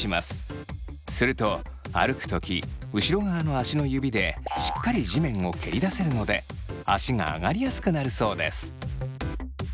すると歩く時後ろ側の足の指でしっかり地面を蹴り出せるので足が上がりやすくなるそうです。